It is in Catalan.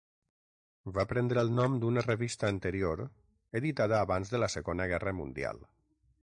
Va prendre el nom d'una revista anterior editada abans de la Segona Guerra Mundial.